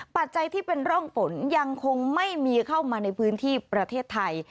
ปัจจัยที่เป็นร่องฝนยังคงไม่มีเข้ามาในพื้นที่ประเทศไทย